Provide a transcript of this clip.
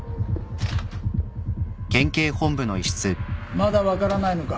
まだ分からないのか？